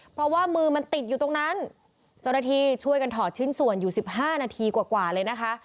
เพราะว่ามือมันติดอยู่ตรงนั้นเจ้าหน้าที่ช่วยกันถอดชิ้นส่วนอยู่สิบห้านาทีกว่าเลยนะคะ